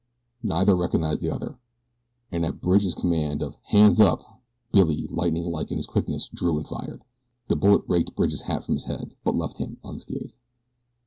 Neither recognized the other, and at Bridge's command of, "Hands up!" Billy, lightning like in his quickness, drew and fired. The bullet raked Bridge's hat from his head but left him unscathed.